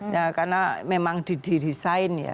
ya karena memang didesain ya